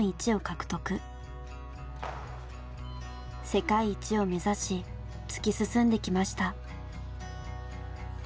世界一を目指し突き進んできました。